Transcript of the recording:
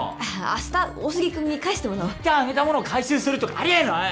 明日大杉君に返してもらおう一旦あげたものを回収するとかありえない！